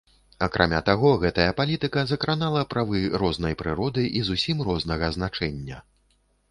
Акрамя таго, гэтая палітыка закранала правы рознай прыроды і зусім рознага значэння.